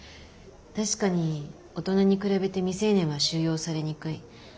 確かに大人に比べて未成年は収容されにくい。